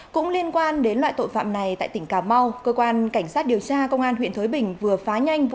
cũng liên quan đến loại tội phạm này tại tỉnh cà mau cơ quan cảnh sát điều tra công an huyện thới bình vừa phá nhanh